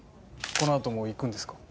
このあとも行くんですか？